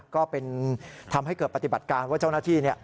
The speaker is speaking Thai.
ก็เป็นทำให้เกิดปฏิบัติการว่าเจ้าหน้าที่